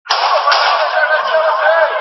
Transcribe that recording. استاد د څيړني پایلي منظموي.